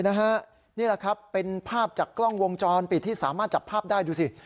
นี่แหละครับเป็นภาพจากกล้องวงจรปิดที่สามารถจับภาพได้ดูสิ